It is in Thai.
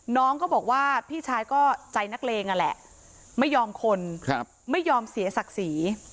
น้องก็บอกว่าพี่ชายก็ใจนักเลงนั่นแหละไม่ยอมคนไม่ยอมเสียศักดิ์ศรี